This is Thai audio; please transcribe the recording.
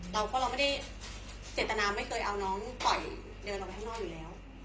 เราก็เราไม่ได้เจตนาไม่เคยเอาน้องปล่อยเดินออกไปข้างนอกอยู่แล้ว